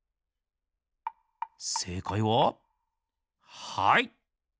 せいかいははい！